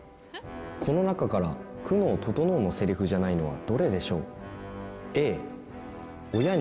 この中から久能整のせりふじゃないのはどれでしょう？